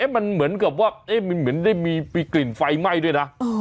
มันเหมือนกับว่าเหมือนได้มีกลิ่นไฟไหม้ด้วยนะ